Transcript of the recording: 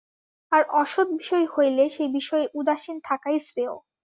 আর অসৎ বিষয় হইলে সেই বিষয়ে উদাসীন থাকাই শ্রেয়ঃ।